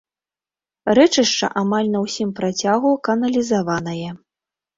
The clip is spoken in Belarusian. Рэчышча амаль на ўсім працягу каналізаванае.